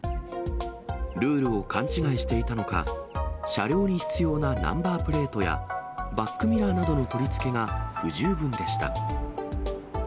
ルールを勘違いしていたのか、車両に必要なナンバープレートや、バックミラーなどの取り付けが不十分でした。